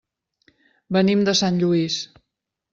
Venim de Sant Lluís.